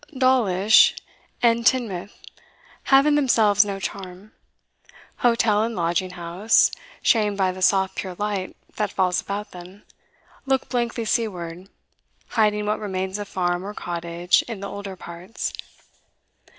Dawlish and Teignmouth have in themselves no charm; hotel and lodging house, shamed by the soft pure light that falls about them, look blankly seaward, hiding what remains of farm or cottage in the older parts.